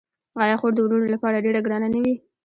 آیا خور د وروڼو لپاره ډیره ګرانه نه وي؟